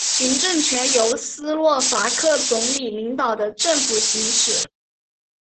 行政权则由斯洛伐克总理领导的政府行使。